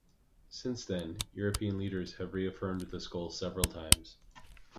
Since then, European Leaders have reaffirmed this goal several times.